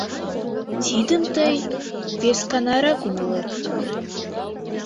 — Тидым тый весканарак умылет.